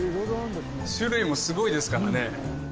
種類もすごいですからね